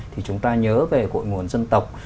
thì chúng ta nhớ về hội nguồn dân tộc